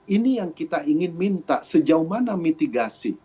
ini yang kita ingin minta sejauh mana mitigasi